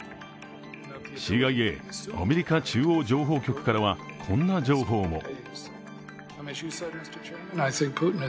ＣＩＡ＝アメリカ中央情報局からは、こんな情報も。